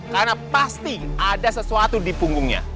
karena pasti ada sesuatu di punggungnya